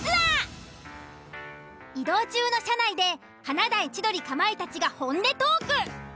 移動中の車内で華大千鳥かまいたちが本音トーク。